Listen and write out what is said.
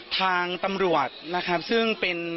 ทางตำรวจนะครับซึ่งเป็น